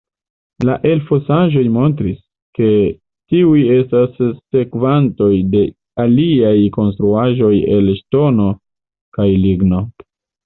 La elfosaĵoj montris, ke tiuj estas sekvantoj de aliaj konstruaĵoj el ŝtono kaj ligno.